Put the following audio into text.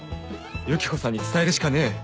ユキコさんに伝えるしかねえ